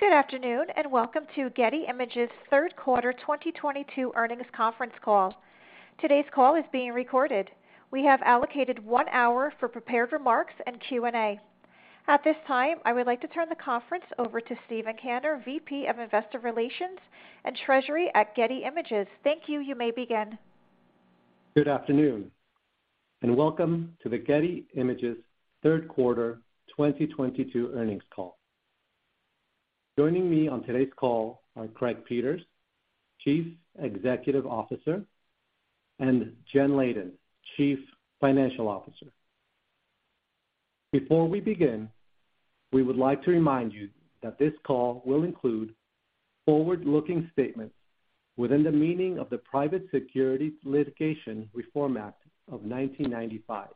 Good afternoon, and welcome to Getty Images' third quarter 2022 earnings conference call. Today's call is being recorded. We have allocated one hour for prepared remarks and Q&A. At this time, I would like to turn the conference over to Steven Kanner, VP of Investor Relations and Treasury at Getty Images. Thank you. You may begin. Good afternoon, and welcome to the Getty Images third quarter 2022 earnings call. Joining me on today's call are Craig Peters, Chief Executive Officer, and Jen Leyden, Chief Financial Officer. Before we begin, we would like to remind you that this call will include forward-looking statements within the meaning of the Private Securities Litigation Reform Act of 1995.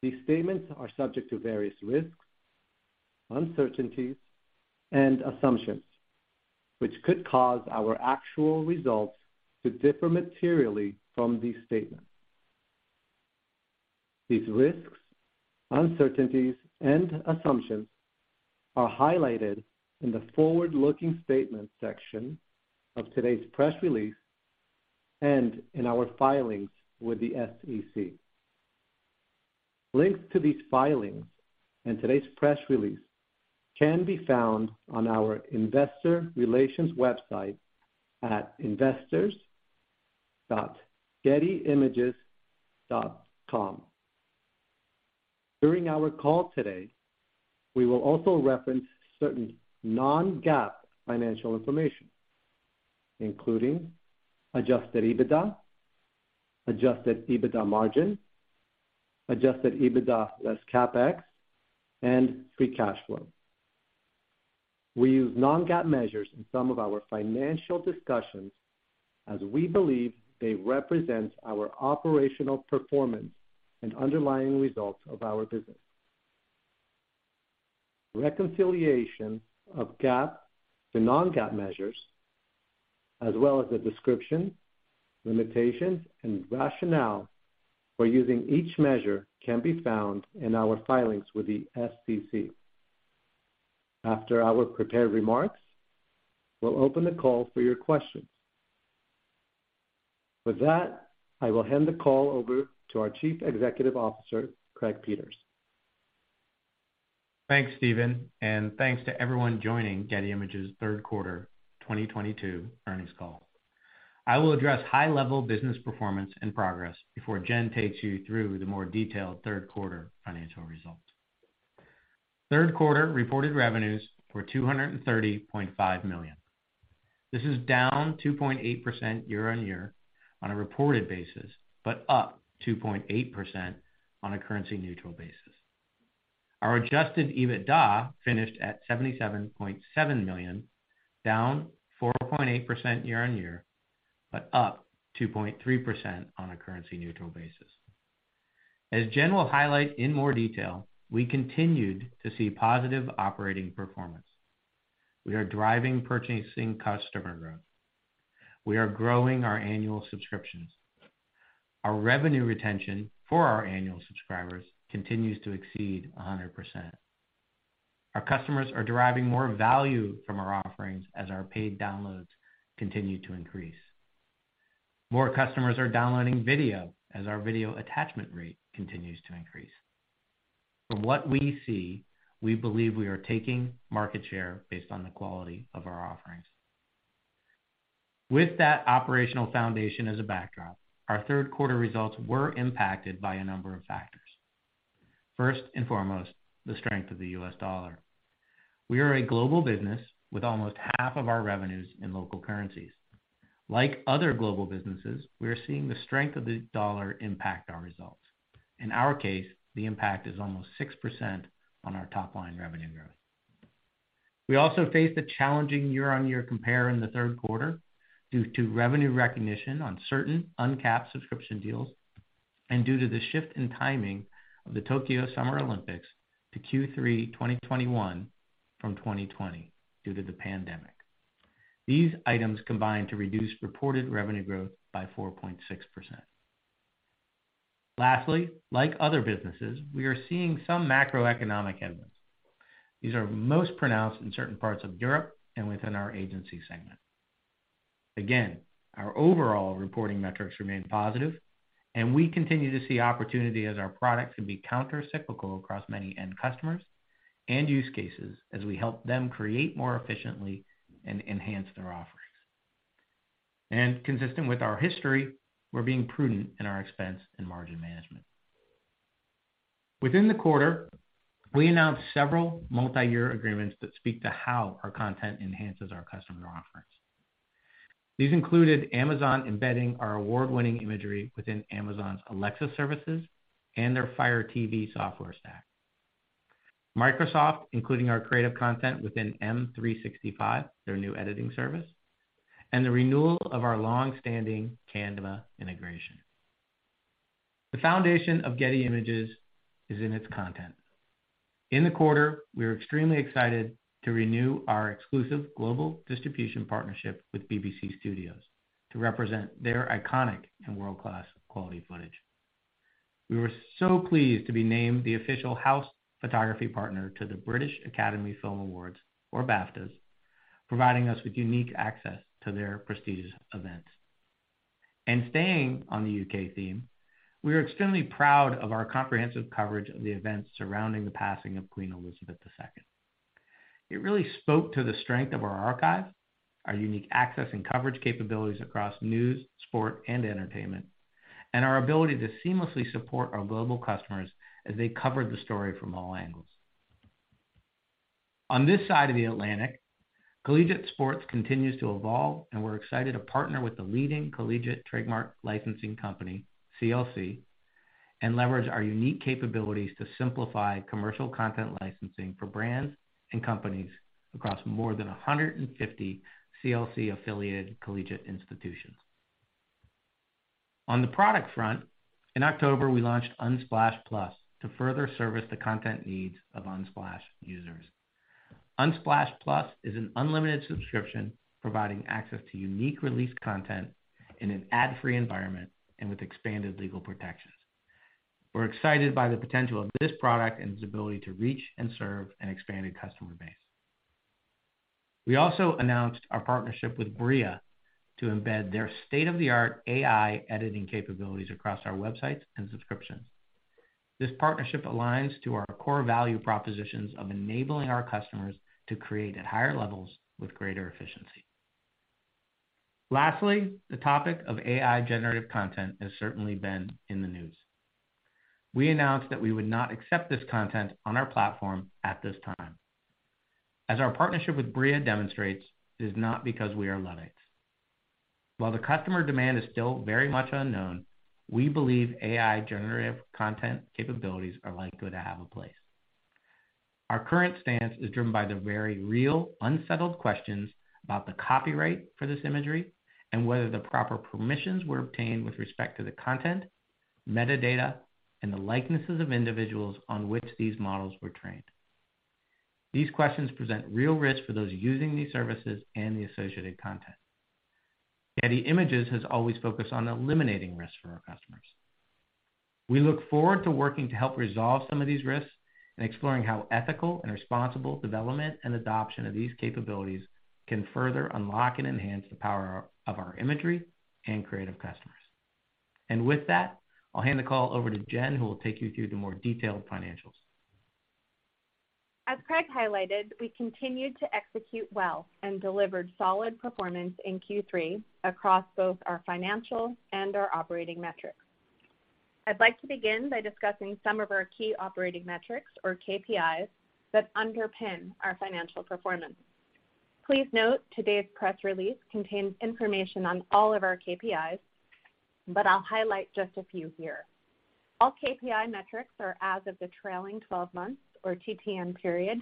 These statements are subject to various risks, uncertainties, and assumptions, which could cause our actual results to differ materially from these statements. These risks, uncertainties, and assumptions are highlighted in the forward-looking statements section of today's press release and in our filings with the SEC. Links to these filings and today's press release can be found on our investor relations website at investors.gettyimages.com. During our call today, we will also reference certain non-GAAP financial information, including adjusted EBITDA, adjusted EBITDA margin, adjusted EBITDA less CapEx, and free cash flow. We use non-GAAP measures in some of our financial discussions as we believe they represent our operational performance and underlying results of our business. Reconciliation of GAAP to non-GAAP measures as well as the description, limitations, and rationale for using each measure can be found in our filings with the SEC. After our prepared remarks, we'll open the call for your questions. With that, I will hand the call over to our Chief Executive Officer, Craig Peters. Thanks, Steven, and thanks to everyone joining Getty Images third quarter 2022 earnings call. I will address high-level business performance and progress before Jen takes you through the more detailed third quarter financial results. Third quarter reported revenues were $230.5 million. This is down 2.8% year-on-year on a reported basis, but up 2.8% on a currency-neutral basis. Our adjusted EBITDA finished at $77.7 million, down 4.8% year-on-year, but up 2.3% on a currency-neutral basis. As Jen will highlight in more detail, we continued to see positive operating performance. We are driving purchasing customer growth. We are growing our annual subscriptions. Our revenue retention for our annual subscribers continues to exceed 100%. Our customers are deriving more value from our offerings as our paid downloads continue to increase. More customers are downloading video as our video attachment rate continues to increase. From what we see, we believe we are taking market share based on the quality of our offerings. With that operational foundation as a backdrop, our third quarter results were impacted by a number of factors. First and foremost, the strength of the U.S. dollar. We are a global business with almost half of our revenues in local currencies. Like other global businesses, we are seeing the strength of the dollar impact our results. In our case, the impact is almost 6% on our top line revenue growth. We also faced a challenging year-on-year compare in the third quarter due to revenue recognition on certain uncapped subscription deals and due to the shift in timing of the Tokyo 2020 Summer Olympics to Q3 2021 from 2020 due to the pandemic. These items combined to reduce reported revenue growth by 4.6%. Lastly, like other businesses, we are seeing some macroeconomic headwinds. These are most pronounced in certain parts of Europe and within our Agency segment. Again, our overall reporting metrics remain positive, and we continue to see opportunity as our products can be counter-cyclical across many end customers and use cases as we help them create more efficiently and enhance their offerings. Consistent with our history, we're being prudent in our expense and margin management. Within the quarter, we announced several multi-year agreements that speak to how our content enhances our customer offerings. These included Amazon embedding our award-winning imagery within Amazon's Alexa services and their Fire TV software stack. Microsoft including our creative content within Microsoft 365, their new editing service, and the renewal of our long-standing Canva integration. The foundation of Getty Images is in its content. In the quarter, we are extremely excited to renew our exclusive global distribution partnership with BBC Studios to represent their iconic and world-class quality footage. We were so pleased to be named the official house photography partner to the British Academy Film Awards, or BAFTAs, providing us with unique access to their prestigious events. Staying on the U.K. theme, we are extremely proud of our comprehensive coverage of the events surrounding the passing of Queen Elizabeth II. It really spoke to the strength of our Archive, our unique access and coverage capabilities across News, Sport and Entertainment, and our ability to seamlessly support our global customers as they covered the story from all angles. On this side of the Atlantic, collegiate sports continues to evolve, and we're excited to partner with the leading collegiate trademark licensing company, CLC, and leverage our unique capabilities to simplify commercial content licensing for brands and companies across more than 150 CLC affiliated collegiate institutions. On the product front, in October, we launched Unsplash+ to further service the content needs of Unsplash users. Unsplash+ is an unlimited subscription providing access to unique release content in an ad-free environment and with expanded legal protections. We're excited by the potential of this product and its ability to reach and serve an expanded customer base. We also announced our partnership with BRIA to embed their state-of-the-art AI editing capabilities across our websites and subscriptions. This partnership aligns to our core value propositions of enabling our customers to create at higher levels with greater efficiency. Lastly, the topic of AI Generative content has certainly been in the news. We announced that we would not accept this content on our platform at this time. As our partnership with BRIA demonstrates, it is not because we are Luddites. While the customer demand is still very much unknown, we believe AI Generative content capabilities are likely to have a place. Our current stance is driven by the very real unsettled questions about the Copyright for this imagery and whether the proper permissions were obtained with respect to the content, Metadata, and the likenesses of individuals on which these models were trained. These questions present real risk for those using these services and the associated content. Getty Images has always focused on eliminating risk for our customers. We look forward to working to help resolve some of these risks and exploring how ethical and responsible development and adoption of these capabilities can further unlock and enhance the power of our Imagery and creative customers. With that, I'll hand the call over to Jen, who will take you through the more detailed financials. As Craig highlighted, we continued to execute well and delivered solid performance in Q3 across both our financial and our operating metrics. I'd like to begin by discussing some of our key operating metrics or KPIs that underpin our financial performance. Please note, today's press release contains information on all of our KPIs, but I'll highlight just a few here. All KPI metrics are as of the trailing twelve months or TTM period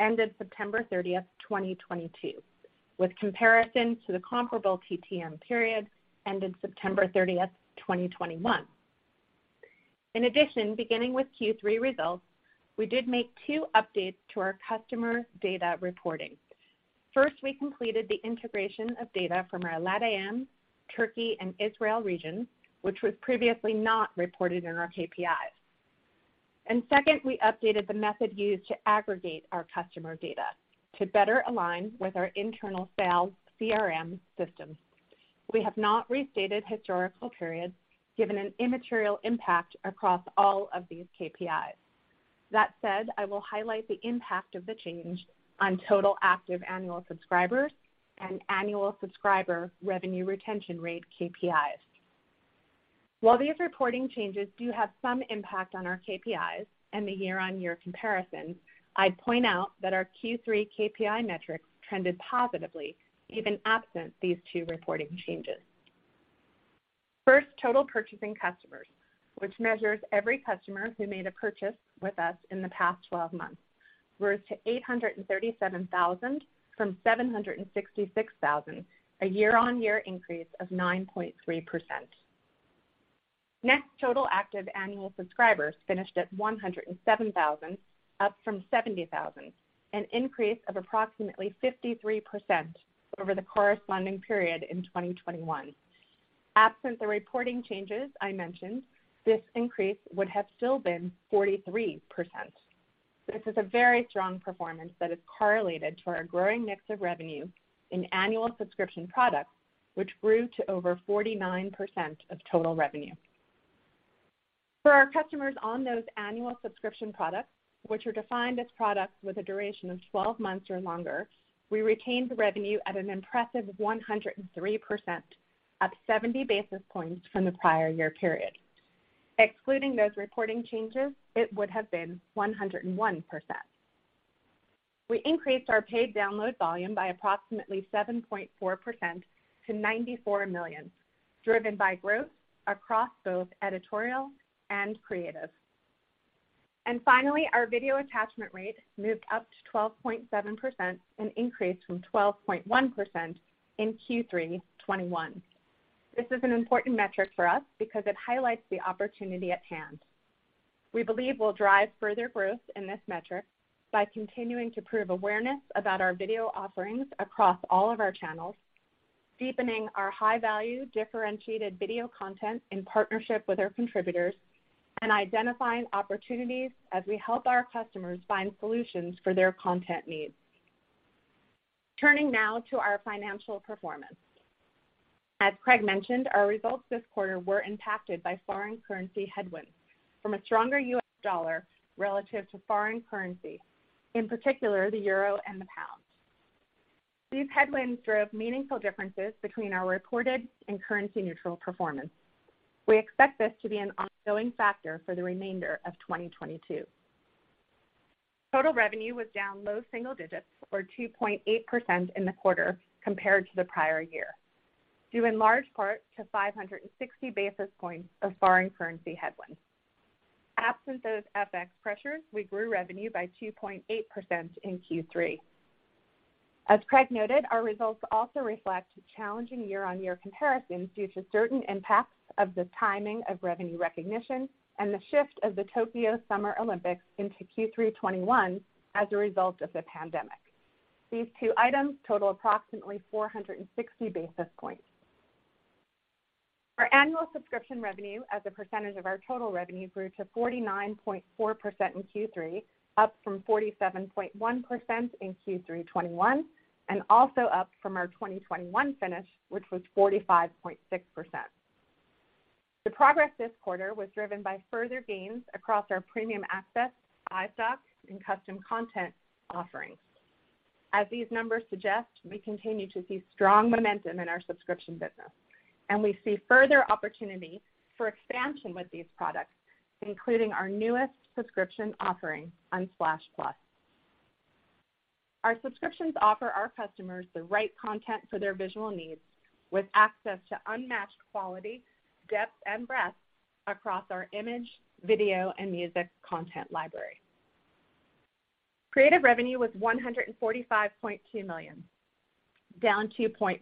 ended September 30, 2022, with comparison to the comparable TTM period ended September 30, 2021. In addition, beginning with Q3 results, we did make two updates to our customer data reporting. First, we completed the integration of data from our LATAM, Turkey, and Israel regions, which was previously not reported in our KPIs. Second, we updated the method used to aggregate our customer data to better align with our internal sales CRM systems. We have not restated historical periods given an immaterial impact across all of these KPIs. That said, I will highlight the impact of the change on total active annual subscribers and annual subscriber revenue retention rate KPIs. While these reporting changes do have some impact on our KPIs and the year-on-year comparison, I'd point out that our Q3 KPI metrics trended positively even absent these two reporting changes. First, total purchasing customers, which measures every customer who made a purchase with us in the past 12 months, rose to 837,000 from 766,000, a year-on-year increase of 9.3%. Next, total active annual subscribers finished at 107,000, up from 70,000, an increase of approximately 53% over the corresponding period in 2021. Absent the reporting changes I mentioned, this increase would have still been 43%. This is a very strong performance that is correlated to our growing mix of revenue in Annual Subscription products, which grew to over 49% of total revenue. For our customers on those Annual Subscription products, which are defined as products with a duration of 12 months or longer, we retained the revenue at an impressive 103%, up 70 basis points from the prior year period. Excluding those reporting changes, it would have been 101%. We increased our Paid Download volume by approximately 7.4% to 94 million, driven by growth across both Editorial and Creative. Finally, our Video Attachment Rate moved up to 12.7%, an increase from 12.1% in Q3 2021. This is an important metric for us because it highlights the opportunity at hand. We believe we'll drive further growth in this metric by continuing to prove awareness about our video offerings across all of our channels, deepening our high-value differentiated video content in partnership with our Contributors, and identifying opportunities as we help our customers find solutions for their content needs. Turning now to our financial performance. As Craig mentioned, our results this quarter were impacted by Foreign Currency headwinds from a stronger US Dollar relative to Foreign Currency, in particular, the Euro and the Pound. These headwinds drove meaningful differences between our reported and Currency-Neutral performance. We expect this to be an ongoing factor for the remainder of 2022. Total revenue was down low single digits or 2.8% in the quarter compared to the prior year, due in large part to 560 basis points of Foreign Currency headwinds. Absent those FX pressures, we grew revenue by 2.8% in Q3. As Craig noted, our results also reflect challenging year-on-year comparisons due to certain impacts of the timing of Revenue Recognition and the shift of the Tokyo Summer Olympics into Q3 2021 as a result of the pandemic. These two items total approximately 460 basis points. Our Annual Subscription Revenue as a percentage of our total revenue grew to 49.4% in Q3, up from 47.1% in Q3 2021, and also up from our 2021 finish, which was 45.6%. The progress this quarter was driven by further gains across our Premium Access, iStock, and Custom Content offerings. As these numbers suggest, we continue to see strong momentum in our Subscription business, and we see further opportunity for expansion with these products, including our newest subscription offering, Unsplash+. Our subscriptions offer our customers the right content for their visual needs with access to unmatched quality, depth, and breadth across our image, video, and music content library. Creative revenue was $145.2 million, down 2.1%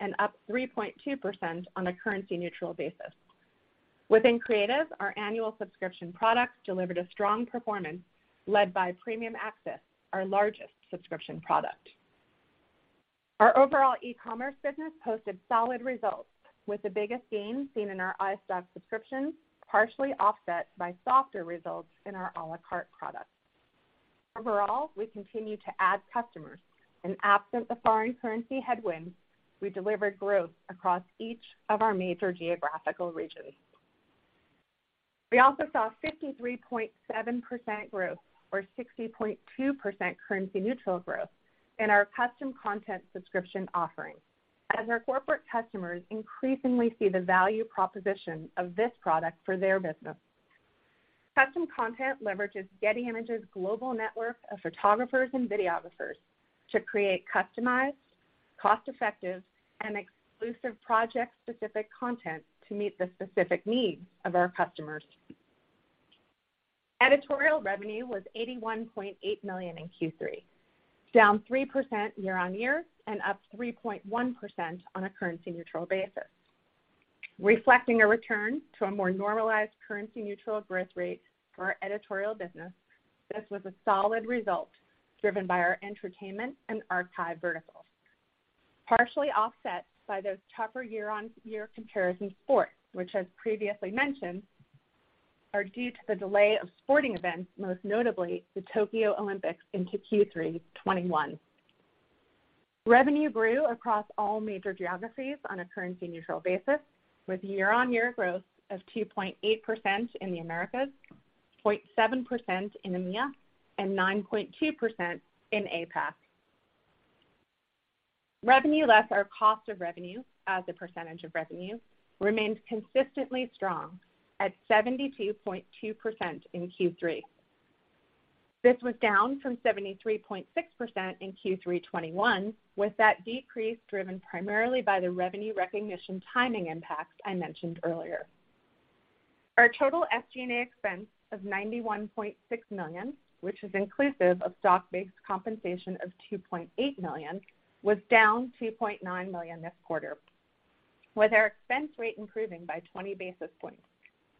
and up 3.2% on a Currency-Neutral basis. Within Creative, our Annual Subscription products delivered a strong performance led by Premium Access, our largest subscription product. Our overall E-Commerce business posted solid results, with the biggest gain seen in our iStock subscriptions, partially offset by softer results in our A La Carte products. Overall, we continue to add customers, and absent the Foreign Currency headwinds, we delivered growth across each of our major geographical regions. We also saw 53.7% growth or 60.2% Currency-Neutral growth in our Custom Content subscription offerings as our corporate customers increasingly see the value proposition of this product for their business. Custom Content leverages Getty Images' global network of photographers and videographers to create customized, cost-effective, and exclusive project-specific content to meet the specific needs of our customers. Editorial revenue was $81.8 million in Q3, down 3% year-on-year and up 3.1% on a Currency-Neutral basis. Reflecting a return to a more normalized Currency-Neutral growth rate for our Editorial business, this was a solid result driven by our Entertainment and Archive verticals, partially offset by those tougher year-on-year comparison sports, which, as previously mentioned, are due to the delay of sporting events, most notably the Tokyo Olympics, into Q3 2021. Revenue grew across all major geographies on a Currency-Neutral basis, with year-on-year growth of 2.8% in the Americas, 0.7% in EMEA, and 9.2% in APAC. Revenue Less our Cost of Revenue as a percentage of revenue remains consistently strong at 72.2% in Q3. This was down from 73.6% in Q3 2021, with that decrease driven primarily by the revenue recognition timing impacts I mentioned earlier. Our total SG&A expense of $91.6 million, which is inclusive of Stock-Based Compensation of $2.8 million, was down $2.9 million this quarter, with our expense rate improving by 20 basis points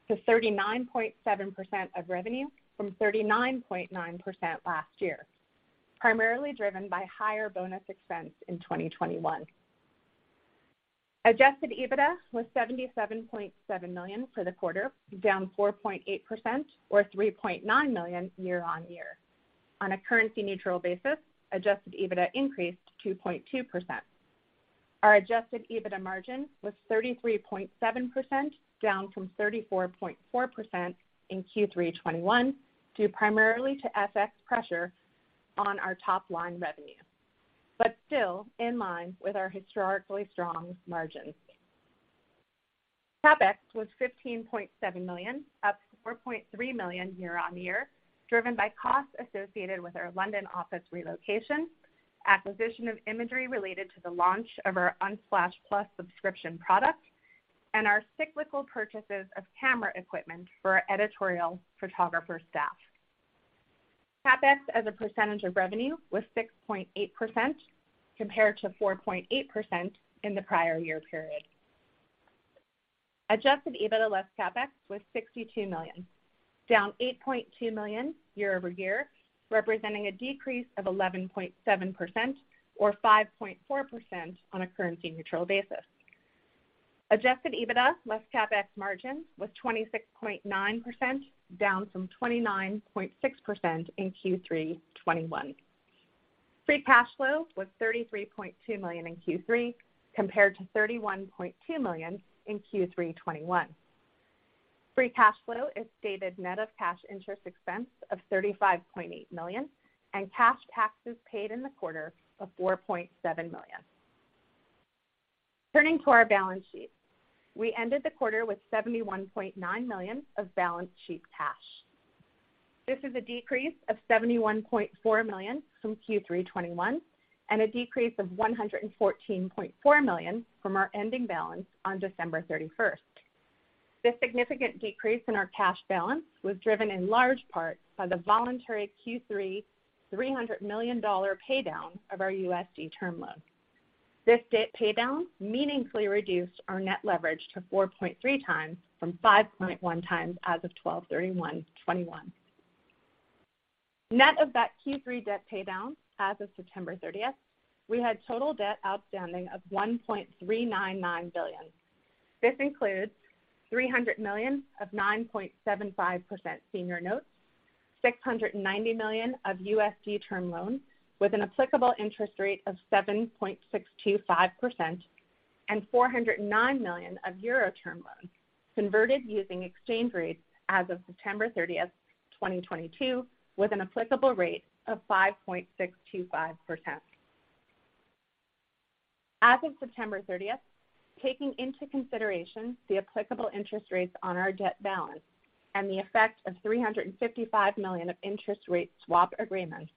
to 39.7% of revenue from 39.9% last year, primarily driven by higher bonus expense in 2021. Adjusted EBITDA was $77.7 million for the quarter, down 4.8% or $3.9 million year-on-year. On a Currency-Neutral basis, Adjusted EBITDA increased 2.2%. Our Adjusted EBITDA Margin was 33.7%, down from 34.4% in Q3 2021 due primarily to FX pressure on our top-line revenue, but still in line with our historically strong margins. CapEx was $15.7 million, up $4.3 million year-over-year, driven by costs associated with our London office relocation, acquisition of imagery related to the launch of our Unsplash+ subscription product, and our cyclical purchases of camera equipment for our editorial photographer staff. CapEx as a percentage of revenue was 6.8% compared to 4.8% in the prior year period. Adjusted EBITDA less CapEx was $62 million, down $8.2 million year-over-year, representing a decrease of 11.7% or 5.4% on a Currency-Neutral basis. Adjusted EBITDA less CapEx margin was 26.9%, down from 29.6% in Q3 2021. Free Cash Flow was $33.2 million in Q3 compared to $31.2 million in Q3 2021. Free Cash Flow is stated net of Cash Interest Expense of $35.8 million and Cash Taxes paid in the quarter of $4.7 million. Turning to our Balance Sheet. We ended the quarter with $71.9 million of Balance Sheet Cash. This is a decrease of $71.4 million from Q3 2021 and a decrease of $114.4 million from our ending balance on December 31st. This significant decrease in our cash balance was driven in large part by the voluntary Q3 $300 million pay down of our USD Term Loan. This debt pay down meaningfully reduced our net leverage to 4.3x from 5.1x as of December 31, 2021. Net of that Q3 debt pay down as of September 30th, we had Total Debt Outstanding of $1.399 billion. This includes $300 million of 9.75% senior notes, $690 million of USD Term Loans with an applicable interest rate of 7.625% and 409 million of Euro Term Loans converted using exchange rates as of September 30th, 2022, with an applicable rate of 5.625%. As of September 30th, taking into consideration the applicable interest rates on our debt balance and the effect of $355 million of interest rate swap agreements,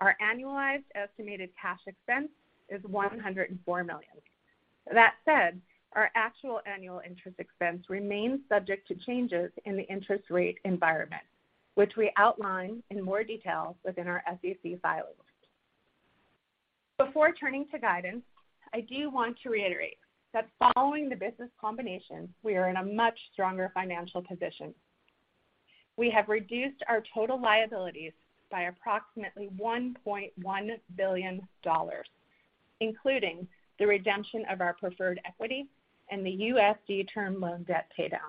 our Annualized Estimated Cash Expense is $104 million. That said, our Actual Annual Interest Expense remains subject to changes in the interest rate environment, which we outline in more detail within our SEC filings. Before turning to guidance, I do want to reiterate that following the business combination, we are in a much stronger financial position. We have reduced our total liabilities by approximately $1.1 billion, including the redemption of our preferred equity and the USD Term Loan debt pay down.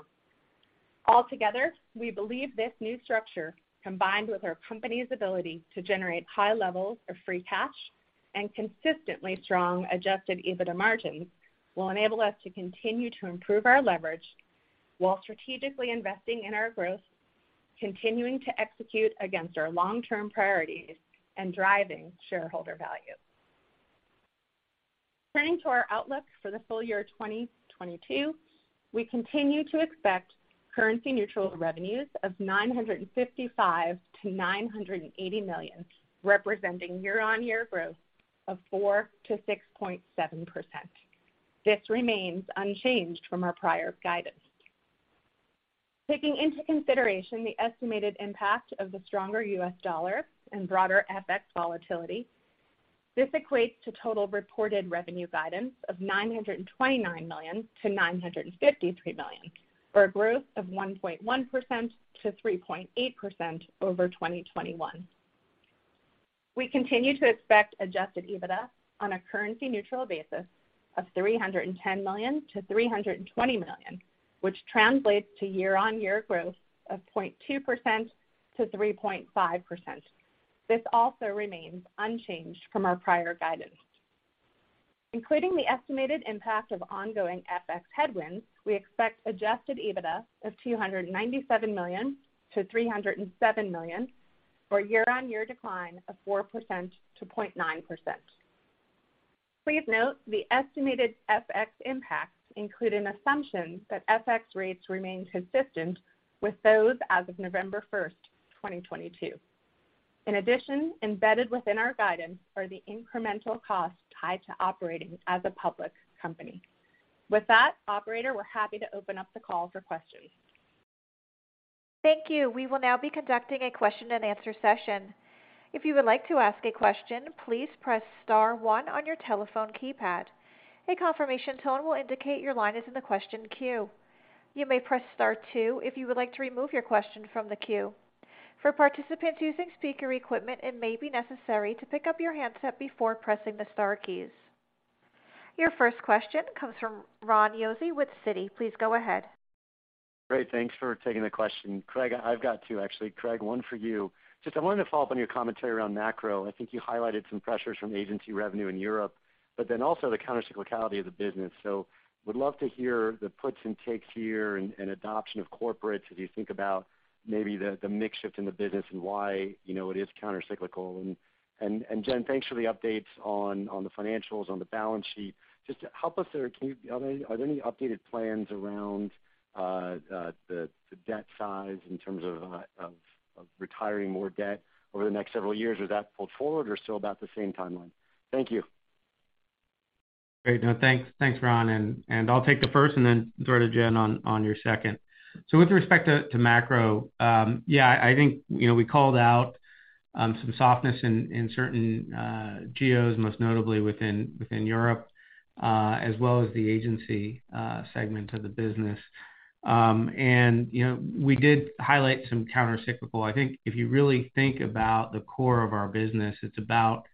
Altogether, we believe this new structure, combined with our company's ability to generate high levels of free cash and consistently strong Adjusted EBITDA Margins, will enable us to continue to improve our leverage while strategically investing in our growth, continuing to execute against our long-term priorities and driving shareholder value. Turning to our outlook for the full year 2022, we continue to expect currency neutral revenues of $955 million-$980 million, representing year-on-year growth of 4%-6.7%. This remains unchanged from our prior guidance. Taking into consideration the estimated impact of the stronger US Dollar and broader FX volatility, this equates to total reported revenue guidance of $929 million-$953 million, for a growth of 1.1%-3.8% over 2021. We continue to expect Adjusted EBITDA on a currency neutral basis of $310 million-$320 million, which translates to year-on-year growth of 0.2%-3.5%. This also remains unchanged from our prior guidance. Including the estimated impact of ongoing FX headwinds, we expect Adjusted EBITDA of $297 million-$307 million, for a year-on-year decline of 4%-0.9%. Please note the estimated FX impacts include an assumption that FX rates remain consistent with those as of November 1st, 2022. In addition, embedded within our guidance are the incremental costs tied to operating as a public company. With that, operator, we're happy to open up the call for questions. Thank you. We will now be conducting a question and answer session. If you would like to ask a question, please press star one on your telephone keypad. A confirmation tone will indicate your line is in the question queue. You may press star two if you would like to remove your question from the queue. For participants using speaker equipment, it may be necessary to pick up your handset before pressing the star keys. Your first question comes from Ron Josey with Citi. Please go ahead. Great. Thanks for taking the question. Craig, I've got two, actually. Craig, one for you. Just, I wanted to follow up on your commentary around Macro. I think you highlighted some pressures from agency revenue in Europe, but then also the counter-cyclicality of the business. Would love to hear the puts and takes here and adoption of corporates as you think about maybe the mix shift in the business and why, you know, it is counter-cyclical. And, Jen, thanks for the updates on the financials, on the Balance Sheet. Just help us there. Are there any updated plans around the debt size in terms of retiring more debt over the next several years? Is that pulled forward or still about the same timeline? Thank you. Great. No, thanks. Thanks, Ron, and I'll take the first and then throw to Jen on your second. With respect to Macro, yeah, I think, you know, we called out some softness in certain geos, most notably within Europe, as well as the agency segment of the business. You know, we did highlight some counter-cyclical. I think if you really think about the core of our business, it's about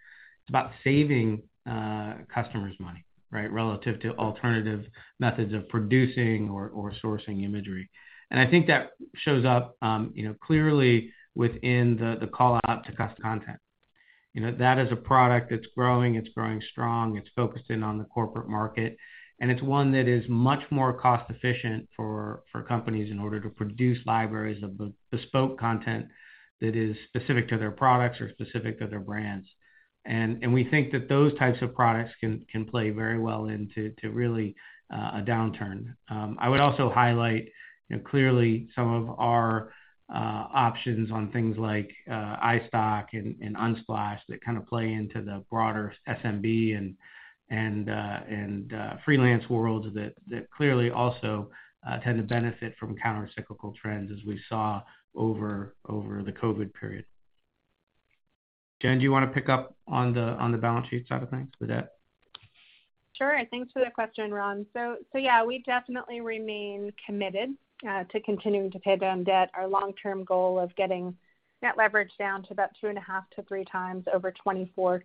saving customers money, right? Relative to alternative methods of producing or sourcing imagery. I think that shows up, you know, clearly within the call-out to Custom Content. You know, that is a product that's growing. It's growing strong. It's focused in on the corporate market, and it's one that is much more cost-efficient for companies in order to produce libraries of be spoke content that is specific to their products or specific to their brands. We think that those types of products can play very well into a downturn. I would also highlight, you know, clearly some of our options on things like iStock and Unsplash that kind of play into the broader SMB and freelance world that clearly also tend to benefit from counter-cyclical trends, as we saw over the COVID period. Jen, do you wanna pick up on the Balance Sheet side of things for debt? Sure. Thanks for the question, Ron. Yeah, we definitely remain committed to continuing to pay down debt. Our long-term goal of getting net leverage down to about 2.5-3 times over a 24-36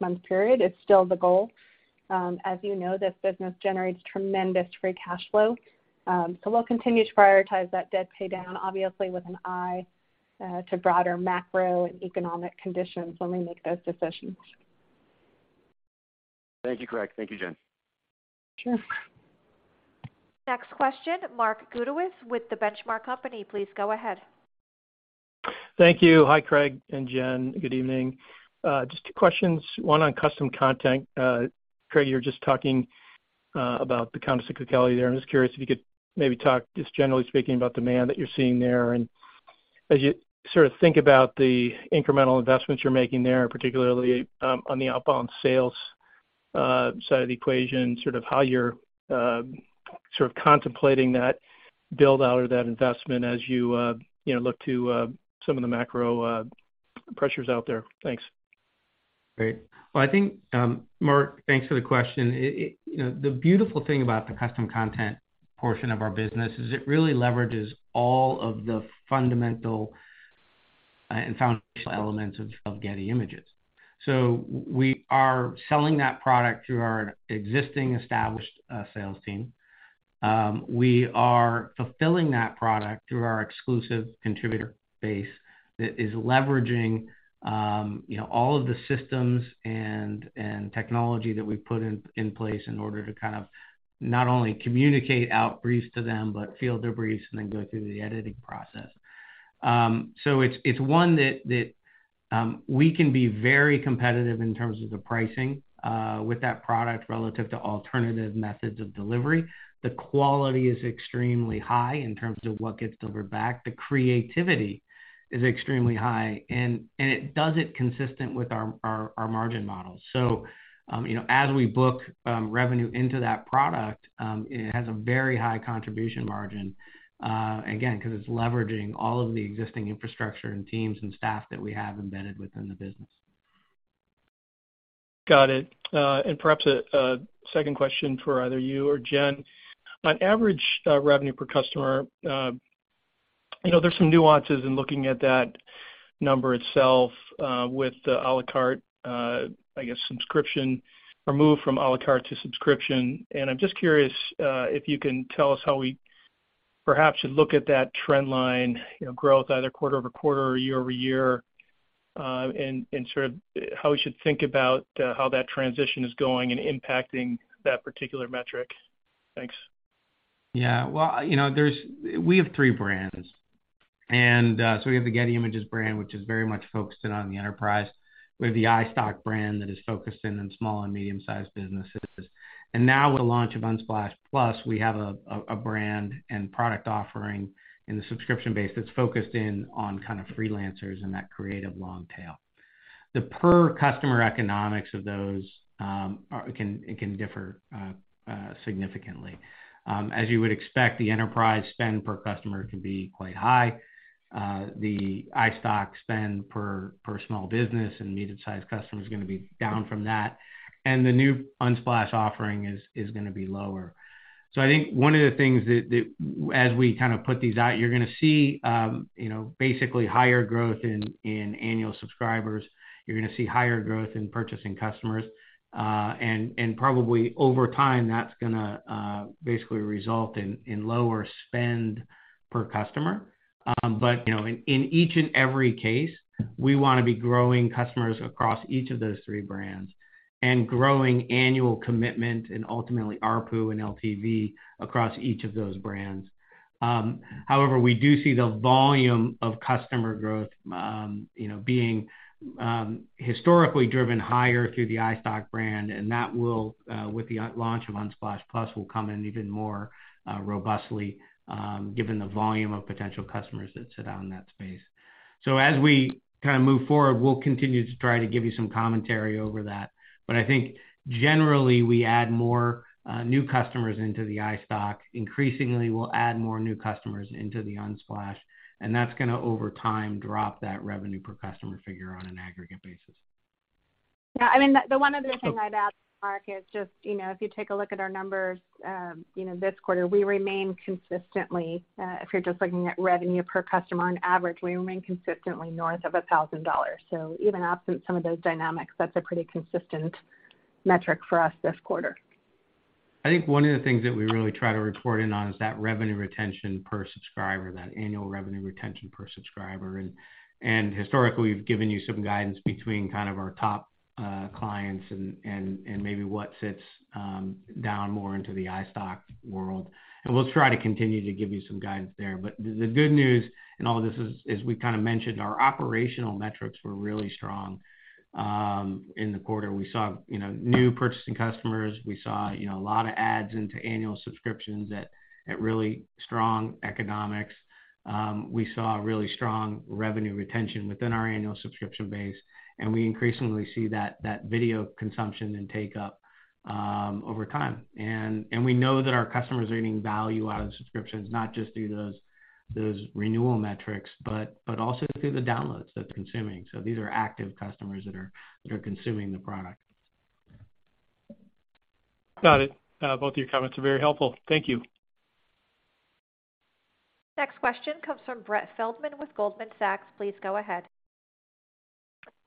month period is still the goal. As you know, this business generates tremendous Free Cash Flow. We'll continue to prioritize that debt pay down, obviously with an eye to broader Macro and Economic conditions when we make those decisions. Thank you, Craig. Thank you, Jen. Sure. Next question, Mark Zgutowicz with The Benchmark Company. Please go ahead. Thank you. Hi, Craig and Jen. Good evening. Just two questions, one on Custom Content. Craig, you were just talking about the counter-cyclicality there. I'm just curious if you could maybe talk just generally speaking about demand that you're seeing there, and as you sort of think about the Incremental Investments you're making there, particularly, on the Outbound Sales, side of the equation, sort of how you're, sort of contemplating that build-out or that investment as you know, look to, some of the Macro, pressures out there. Thanks. Great. Well, I think, Mark, thanks for the question. You know, the beautiful thing about the Custom Content portion of our business is it really leverages all of the fundamental and foundational elements of Getty Images. We are selling that product through our existing established sales team. We are fulfilling that product through our exclusive contributor base that is leveraging, you know, all of the Systems and Technology that we've put in place in order to kind of not only communicate out briefs to them but field their briefs and then go through the editing process. It's one that we can be very competitive in terms of the pricing with that product relative to alternative methods of delivery. The quality is extremely high in terms of what gets delivered back. The creativity is extremely high and it does it consistent with our margin models. You know, as we book revenue into that product, it has a very high contribution margin, again, 'cause it's leveraging all of the existing Infrastructure and Teams and staff that we have embedded within the business. Got it. Perhaps a second question for either you or Jen. On average, revenue per customer, you know, there's some nuances in looking at that number itself, with the A La Carte, I guess, subscription or move from A La Carte to subscription. I'm just curious, if you can tell us how we perhaps should look at that trend line, you know, growth either quarter-over-quarter or year-over-year, and sort of how we should think about how that transition is going and impacting that particular metric. Thanks. Yeah. Well, you know, we have three brands. We have the Getty Images brand, which is very much focused in on the Enterprise. We have the iStock brand that is focused in on small and medium-sized businesses. Now with the launch of Unsplash+, we have a brand and product offering in the subscription base that's focused in on kind of freelancers and that creative long tail. The per customer economics of those can differ significantly. As you would expect, the Enterprise spend per customer can be quite high. The iStock spend per small business and medium-sized customer is gonna be down from that. The new Unsplash offering is gonna be lower. I think one of the things that as we kind of put these out, you're gonna see, you know, basically higher growth in Annual Subscribers. You're gonna see higher growth in purchasing customers. And probably over time, that's gonna basically result in lower spend per customer. But, you know, in each and every case, we wanna be growing customers across each of those three brands and Growing Annual Commitment and Ultimately ARPU and LTV across each of those brands. However, we do see the volume of customer growth, you know, being historically driven higher through the iStock brand, and that will, with the launch of Unsplash+, will come in even more robustly, given the volume of potential customers that sit out in that space. As we kind of move forward, we'll continue to try to give you some commentary over that. I think generally, we add more new customers into the iStock. Increasingly, we'll add more new customers into the Unsplash, and that's gonna, over time, drop that revenue per customer figure on an aggregate basis. Yeah. I mean, the one other thing I'd add, Mark, is just, you know, if you take a look at our numbers, you know, this quarter, we remain consistently, if you're just looking at revenue per customer, on average, we remain consistently north of $1,000. Even absent some of those dynamics, that's a pretty consistent metric for us this quarter. I think one of the things that we really try to report in on is that Revenue Retention per subscriber, that Annual Revenue Retention per subscriber. Historically, we've given you some guidance between kind of our top clients and maybe what sits down more into the iStock world. We'll try to continue to give you some guidance there. The good news in all of this is we've kinda mentioned our operational metrics were really strong in the quarter. We saw, you know, new purchasing customers. We saw, you know, a lot of ads into Annual Subscriptions at really strong economics. We saw really strong Revenue Retention within our Annual Subscription base, and we increasingly see that video consumption and take-up over time. We know that our customers are getting value out of the subscriptions, not just through those renewal metrics, but also through the downloads that they're consuming. These are active customers that are consuming the product. Got it. Both of your comments are very helpful. Thank you. Next question comes from Brett Feldman with Goldman Sachs. Please go ahead.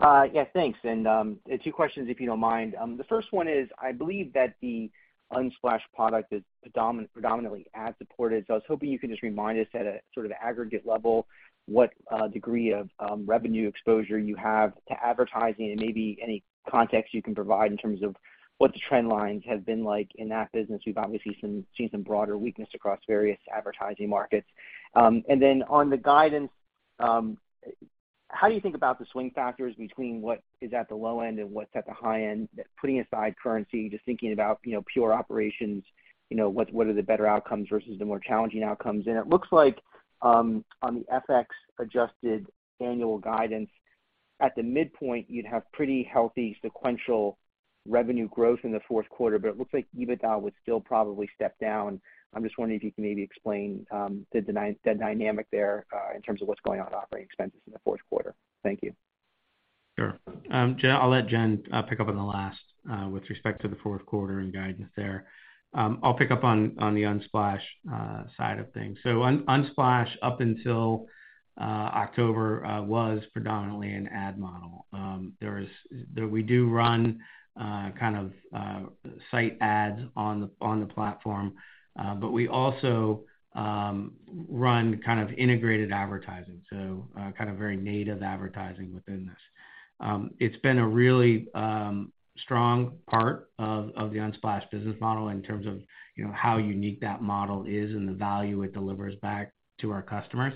Yeah, thanks. Two questions, if you don't mind. The first one is, I believe that the Unsplash product is predominantly ad supported. I was hoping you could just remind us at a sort of aggregate level, what degree of revenue exposure you have to advertising and maybe any context you can provide in terms of what the trend lines have been like in that business. We've obviously seen some broader weakness across various Advertising Markets. On the guidance, how do you think about the swing factors between what is at the low end and what's at the high end? Putting aside currency, just thinking about, you know, pure operations, you know, what are the better outcomes versus the more challenging outcomes? It looks like, on the FX Adjusted Annual Guidance, at the midpoint, you'd have pretty healthy sequential revenue growth in the fourth quarter, but it looks like EBITDA would still probably step down. I'm just wondering if you can maybe explain the dynamic there, in terms of what's going on operating expenses in the fourth quarter. Thank you. Sure. Jen, I'll let Jen pick up on the last with respect to the fourth quarter and guidance there. I'll pick up on the Unsplash side of things. Unsplash, up until October, was predominantly an Ad Model. We do run kind of Site Ads on the platform, but we also run kind of Integrated Advertising, kind of very native advertising within this. It's been a really strong part of the Unsplash business model in terms of, you know, how unique that model is and the value it delivers back to our customers.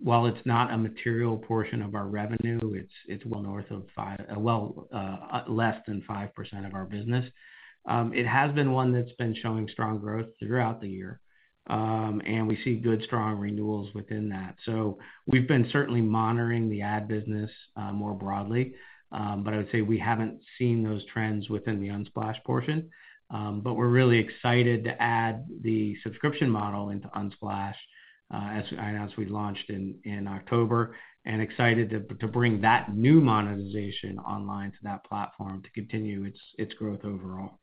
While it's not a material portion of our revenue, it's well north of five. Well, less than 5% of our business. It has been one that's been showing strong growth throughout the year, and we see good, strong renewals within that. We've been certainly monitoring the ad business more broadly. I would say we haven't seen those trends within the Unsplash portion. We're really excited to add the subscription model into Unsplash, as I announced we'd launched in October, and excited to bring that new monetization online to that platform to continue its growth overall.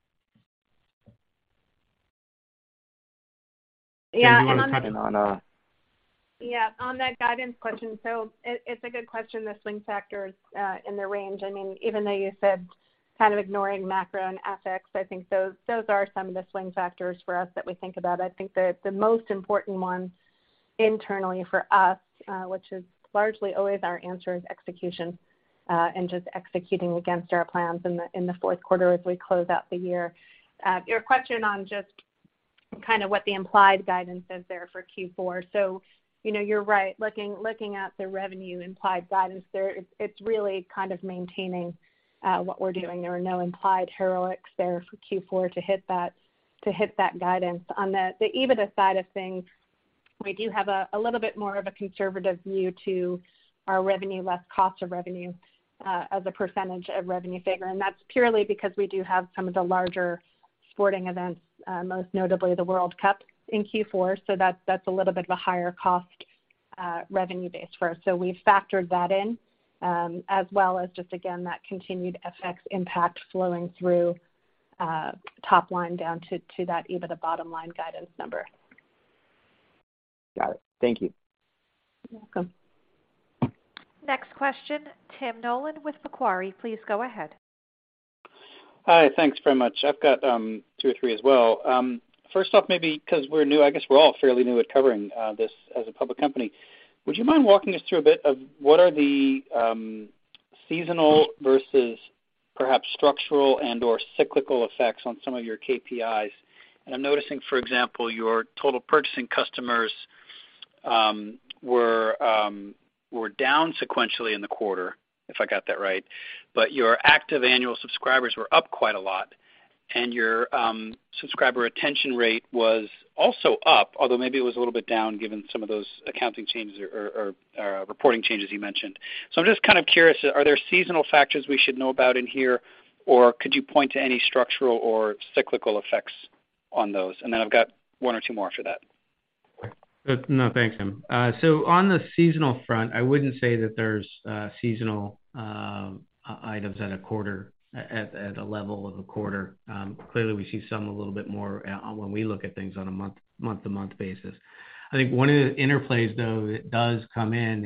Yeah. Jen, do you wanna jump in on? Yeah. On that guidance question. It's a good question, the swing factors, and the range. I mean, even though you said kind of ignoring Macro and FX, I think those are some of the swing factors for us that we think about. I think the most important one internally for us, which is largely always our answer, is execution, and just executing against our plans in the fourth quarter as we close out the year. Your question on just kind of what the implied guidance is there for Q4. You know, you're right. Looking at the revenue implied guidance there, it's really kind of maintaining what we're doing. There are no implied heroics there for Q4 to hit that guidance. On the EBITDA side of things, we do have a little bit more of a conservative view to our revenue, less cost of revenue, as a percentage of revenue figure. That's purely because we do have some of the larger sporting events, most notably the World Cup in Q4. That's a little bit of a higher cost revenue base for us. We've factored that in, as well as just again, that continued FX impact flowing through top line down to that EBITDA bottom line guidance number. Got it. Thank you. You're welcome. Next question, Tim Nollen with Macquarie. Please go ahead. Hi. Thanks very much. I've got two or three as well. First off, maybe 'cause we're new, I guess we're all fairly new at covering this as a public company. Would you mind walking us through a bit of what are the seasonal versus perhaps structural and/or cyclical effects on some of your KPIs? I'm noticing, for example, your total purchasing customers were down sequentially in the quarter, if I got that right. Your Active Annual Subscribers were up quite a lot, and your Subscriber Retention Rate was also up, although maybe it was a little bit down given some of those accounting changes or reporting changes you mentioned. I'm just kind of curious, are there seasonal factors we should know about in here? Or could you point to any structural or cyclical effects on those? I've got one or two more after that. No, thanks, Tim. On the seasonal front, I wouldn't say that there's seasonal items at a level of a quarter. Clearly, we see some, a little bit more when we look at things on a month-to-month basis. I think one of the interplays, though, that does come in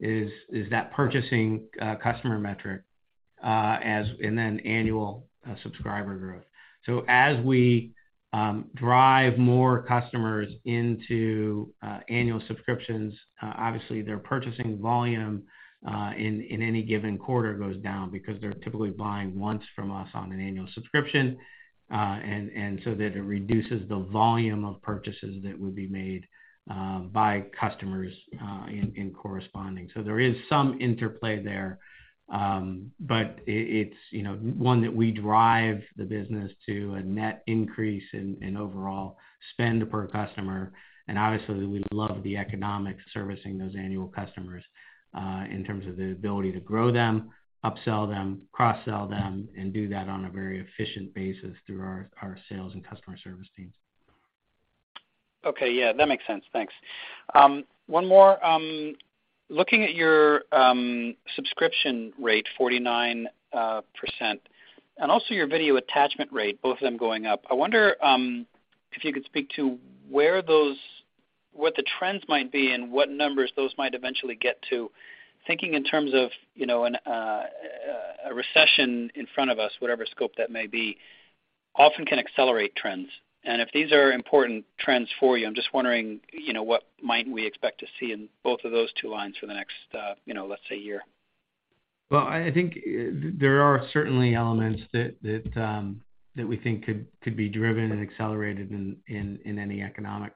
is that Purchasing Customer Metric and then Annual Subscriber Growth. As we drive more customers into Annual Subscriptions, obviously their purchasing volume in any given quarter goes down because they're typically buying once from us on an Annual Subscription, and so that it reduces the volume of purchases that would be made by customers in corresponding. There is some interplay there. It's, you know, one that we drive the business to a net increase in overall spend per customer. Obviously, we love the economics servicing those annual customers in terms of the ability to grow them, upsell them, cross-sell them, and do that on a very efficient basis through our Sales and Customer Service Teams. Okay. Yeah, that makes sense. Thanks. One more. Looking at your subscription rate, 49%, and also your video attachment rate, both of them going up, I wonder if you could speak to what the trends might be and what numbers those might eventually get to thinking in terms of, you know, a recession in front of us, whatever scope that may be, often can accelerate trends. If these are important trends for you, I'm just wondering, you know, what might we expect to see in both of those two lines for the next, you know, let's say year. Well, I think there are certainly elements that we think could be driven and accelerated in any economic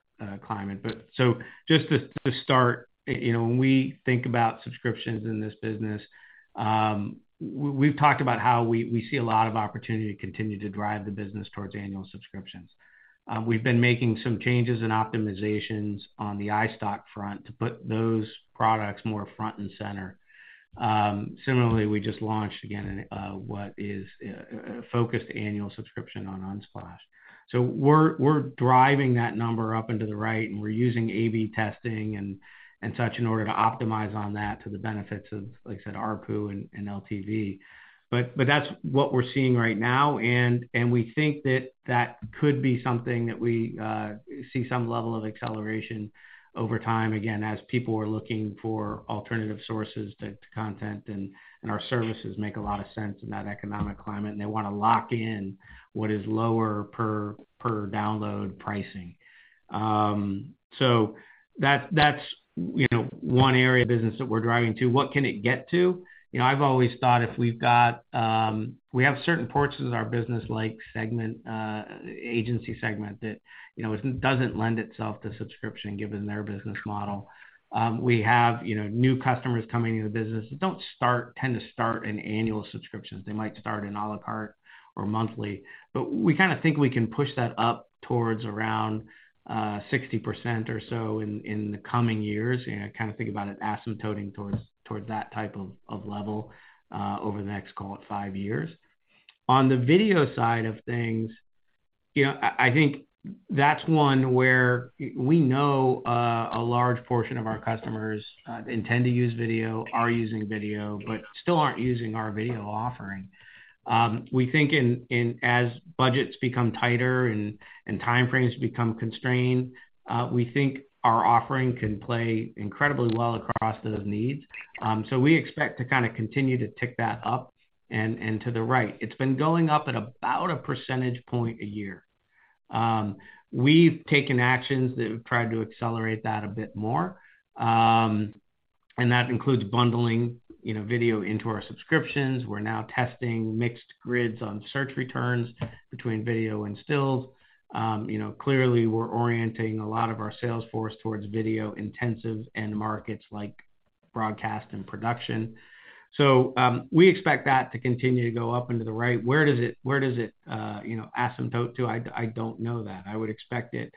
climate. Just to start, you know, when we think about subscriptions in this business, we've talked about how we see a lot of opportunity to continue to drive the business towards Annual Subscriptions. We've been making some changes and optimizations on the iStock front to put those products more front and center. Similarly, we just launched again what is a focused Annual Subscription on Unsplash. We're driving that number up into the right, and we're using A/B testing and such in order to optimize on that to the benefits of, like I said, ARPU and LTV. That's what we're seeing right now. We think that could be something that we see some level of acceleration over time, again, as people are looking for alternative sources to content, and our services make a lot of sense in that economic climate, and they wanna lock in what is lower per download pricing. So that's you know one area of business that we're driving to. What can it get to? You know, I've always thought we have certain parts of our business like segment agency segment that you know it doesn't lend itself to subscription given their Business Model. We have you know new customers coming into the business that don't tend to start in Annual Subscriptions. They might start in A La Carte or monthly. We kind of think we can push that up towards around 60% or so in the coming years. You know, kind of think about it asymptoting towards that type of level over the next, call it, five years. On the Video side of things, you know, I think that's one where we know a large portion of our customers intend to use video, are using video, but still aren't using our video offering. We think as budgets become tighter and time frames become constrained, we think our offering can play incredibly well across those needs. So we expect to kind of continue to tick that up and to the right. It's been going up at about a percentage point a year. We've taken actions that have tried to accelerate that a bit more, and that includes bundling, you know, video into our subscriptions. We're now testing mixed grids on search returns between video and stills. You know, clearly, we're orienting a lot of our sales force towards video intensives and markets like Broadcast and Production. We expect that to continue to go up and to the right. Where does it, you know, asymptote to? I don't know that. I would expect it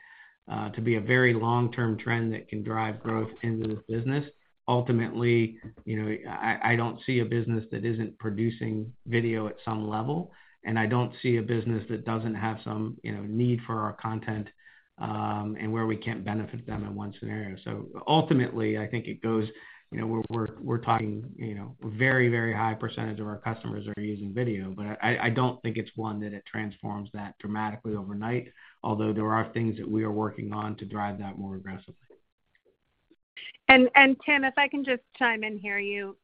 to be a very long-term trend that can drive growth into this business. Ultimately, you know, I don't see a business that isn't producing video at some level, and I don't see a business that doesn't have some, you know, need for our content, and where we can't benefit them in one scenario. Ultimately, I think it goes, you know, we're talking, you know, very, very high percentage of our customers are using video. I don't think it's one that it transforms that dramatically overnight, although there are things that we are working on to drive that more aggressively. Tim, if I can just chime in here. You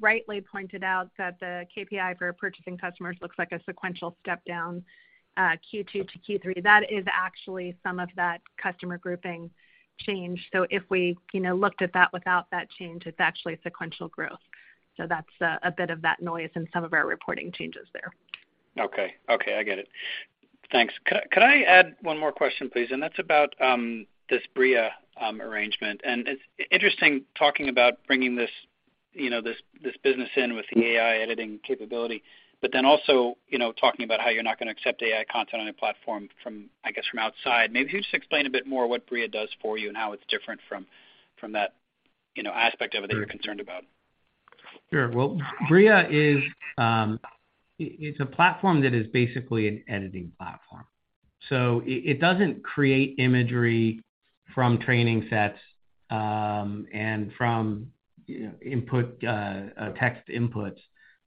rightly pointed out that the KPI for purchasing customers looks like a sequential step down, Q2-Q3. That is actually some of that customer grouping change. If we, you know, looked at that without that change, it's actually a sequential growth. That's a bit of that noise in some of our reporting changes there. Okay. I get it. Thanks. Could I add one more question, please? That's about this BRIA arrangement. It's interesting talking about bringing this, you know, this business in with the AI editing capability, but then also, you know, talking about how you're not gonna accept AI content on your platform from, I guess, from outside. Maybe if you just explain a bit more what BRIA does for you and how it's different from that, you know, aspect of it that you're concerned about. Sure. Well, BRIA is, it's a platform that is basically an Editing platform. It doesn't create imagery from training sets, and from text inputs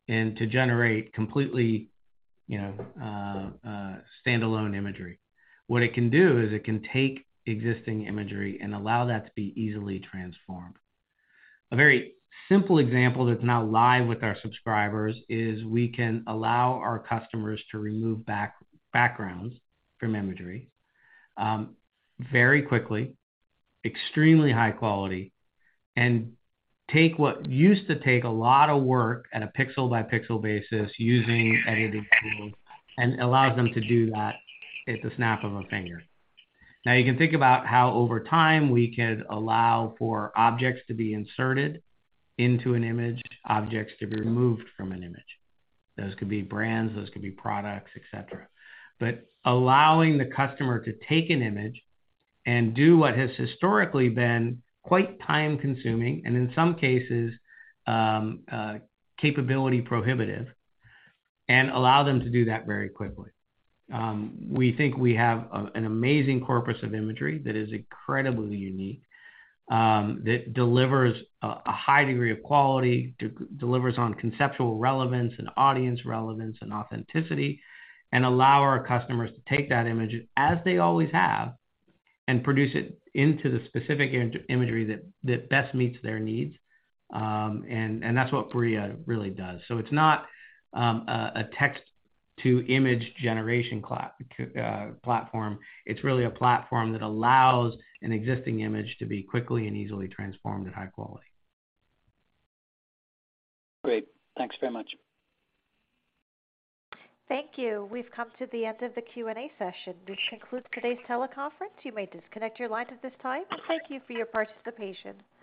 and to generate completely, you know, standalone imagery. What it can do is it can take existing imagery and allow that to be easily transformed. A very simple example that's now live with our subscribers is we can allow our customers to remove backgrounds from imagery, very quickly, extremely high quality, and take what used to take a lot of work at a pixel-by-pixel basis using editing tools and allows them to do that at the snap of a finger. Now, you can think about how over time we could allow for objects to be inserted into an image, objects to be removed from an image. Those could be brands, those could be products, et cetera. Allowing the customer to take an image and do what has historically been quite time-consuming and in some cases, capability prohibitive, and allow them to do that very quickly. We think we have an amazing corpus of imagery that is incredibly unique, that delivers a high degree of quality, delivers on conceptual relevance and audience relevance and authenticity, and allow our customers to take that image as they always have and produce it into the specific imagery that best meets their needs. That's what BRIA really does. It's not a text-to-image generation platform. It's really a platform that allows an existing image to be quickly and easily transformed at high quality. Great. Thanks very much. Thank you. We've come to the end of the Q&A session. This concludes today's teleconference. You may disconnect your lines at this time, and thank you for your participation. Thank you.